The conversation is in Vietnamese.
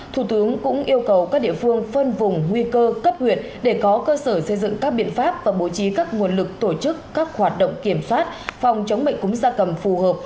thủ tướng cũng yêu cầu các địa phương phân vùng nguy cơ cấp huyện để có cơ sở xây dựng các biện pháp và bổ trí các nguồn lực tổ chức các hoạt động kiểm soát phòng chống bệnh cúng gia cầm phù hợp